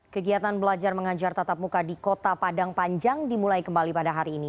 kegiatan belajar mengajar tatap muka di kota padang panjang dimulai kembali pada hari ini